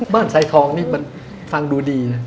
บ้านซายธองนี่มันฟังดูดี